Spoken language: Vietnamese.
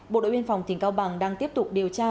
bộ đội biên phòng tỉnh cao bằng đang tiếp tục điều tra